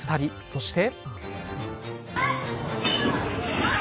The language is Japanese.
そして。